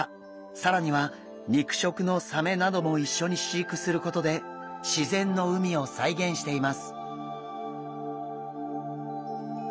更には肉食のサメなども一緒に飼育することで自然の海を再現しています。